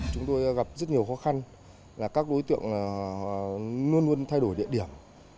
chúng tôi gặp rất nhiều khó khăn là các đối tượng luôn luôn thay đổi địa điểm